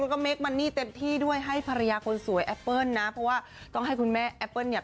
แล้วก็เมคมันนี่เต็มที่ด้วยให้ภรรยาคนสวยแอปเปิ้ลนะเพราะว่าต้องให้คุณแม่แอปเปิ้ลเนี่ย